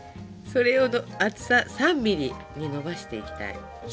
それを厚さ３ミリにのばしていきたい。